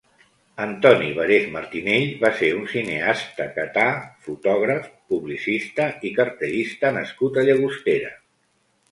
Antoni Varés Martinell va ser un cineasta catà, fotògraf, publicista i cartellista nascut a Llagostera.